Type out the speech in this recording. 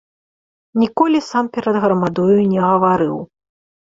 Ніколі сам перад грамадою не гаварыў.